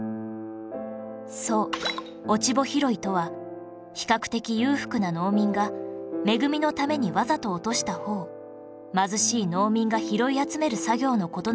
そう落ち穂拾いとは比較的裕福な農民が恵みのためにわざと落とした穂を貧しい農民が拾い集める作業の事なのです